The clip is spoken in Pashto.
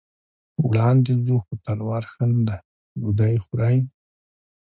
وړاندې ځو، خو تلوار ښه نه دی، ډوډۍ خورئ.